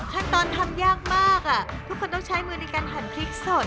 ขั้นตอนทำยากมากทุกคนต้องใช้มือในการหั่นพริกสด